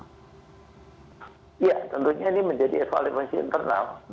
ya tentunya ini menjadi evaluasi internal